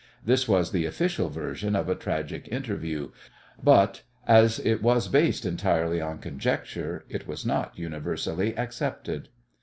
This was the official version of a tragic interview, but, as it was based entirely on conjecture, it was not universally accepted.